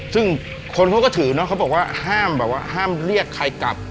ซึ่งคนเขาก็ถือเนาะเขาบอกว่าห้ามเลี่ยงใครกลับ